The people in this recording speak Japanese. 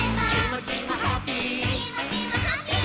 「きもちもハッピー」